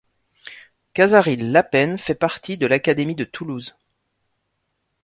Cazarilh-Laspènes fait partie de l'académie de Toulouse.